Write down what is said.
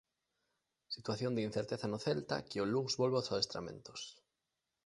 Situación de incerteza no Celta que o luns volve aos adestramentos.